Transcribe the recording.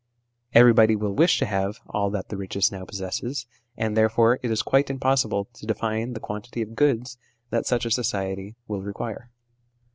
Everybody will wish to have all that the richest now possesses, and therefore it is quite impossible to define the quantity of goods that such a society will require.